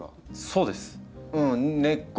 そうです。